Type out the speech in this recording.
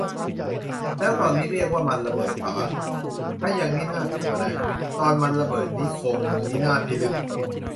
แล้วตอนนี้เรียกว่ามันระเบิดป่าวอ่ะ ถ้ายังนี่น่ากลัวนะ ตอนมันระเบิดนี้คงวินาศพิลึก